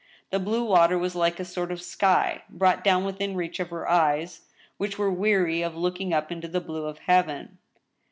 The blue water was like a sort of sky, brought down within reach of her eyes, which were weary of looking up into the blue of heaven.